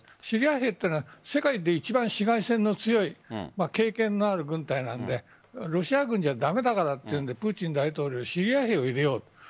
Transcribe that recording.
シリア兵は世界で一番市街戦の強い経験のある軍隊なのでロシア軍じゃ駄目だからというのでプーチン大統領はシリア兵を入れようと。